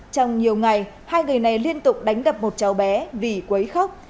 trong nhiều ngày hai người này liên tục đánh gặp một cháu bé vì quấy khóc